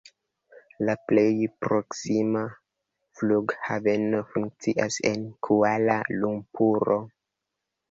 La plej proksima flughaveno funkcias en Kuala-Lumpuro.